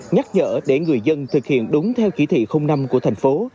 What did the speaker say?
nhắc nhở để người dân thực hiện đúng theo chỉ thị năm của thành phố